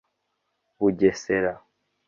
Bugesera